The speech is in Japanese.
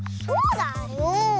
そうだよ。